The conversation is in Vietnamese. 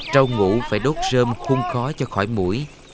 trâu ngủ phải đốt sơm khung khó cho khỏi mũi